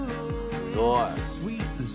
すごい。